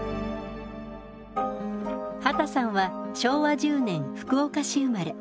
畑さんは昭和１０年福岡市生まれ。